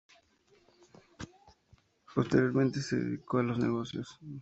Posteriormente se dedicó a los negocios.